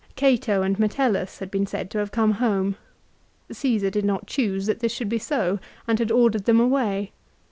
Cato and Metellus had been said to have come home. Csesar did not choose that this should be so, and had ordered them away.